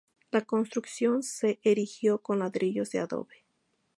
La construcción se erigió con ladrillos de adobe.